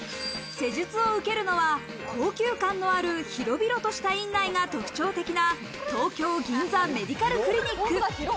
施術を受けるのは高級感のある、広々とした院内が特徴的な東京銀座メディカルクリニック。